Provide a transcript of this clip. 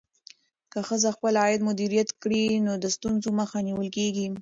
که ښځه خپل عاید مدیریت کړي، نو د ستونزو مخه نیول کېږي.